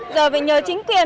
giờ phải nhờ chính quyền